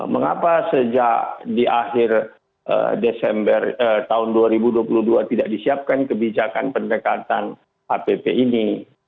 mengapa sejak di akhir desember tahun dua ribu dua puluh dua tidak disiapkan kebijakan pendekatan hpp ini